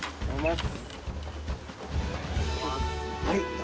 はい。